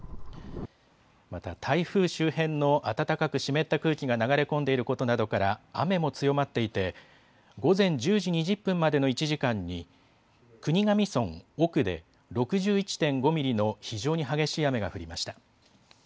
また台風周辺の暖かく湿った空気が流れ込んでいることなどから雨も強まっていて午前１０時２０分までの１時間に国頭村奥で６１．５ミリの非常に激しい雨が降りました。